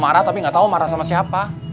mau marah tapi gak tau marah sama siapa